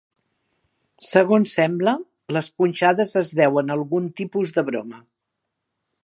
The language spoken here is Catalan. Segons sembla, les punxades es deuen a algun tipus de broma.